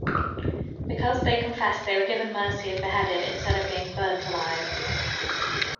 Because they confessed, they were given mercy and beheaded instead of being burnt alive.